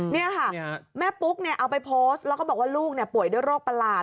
นี่ค่ะแม่ปุ๊กเอาไปโพสต์แล้วก็บอกว่าลูกป่วยด้วยโรคประหลาด